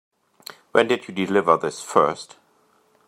When did you deliver this first?